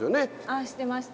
あ知ってました。